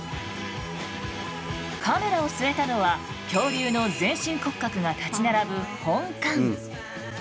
カメラを据えたのは恐竜の全身骨格が立ち並ぶ本館。